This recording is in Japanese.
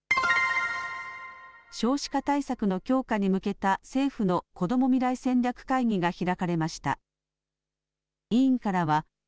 少子化対策の強化に向けた政府のこども未来戦略会議が開かれました。